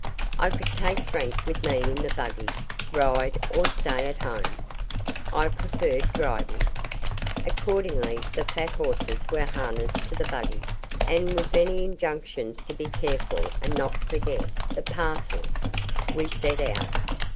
I could take Frank with me in the buggy, ride, or stay at home. I preferred driving. Accordingly the fat horses were harnessed to the buggy, and with many injunctions to be careful and not forget the parcels, we set out.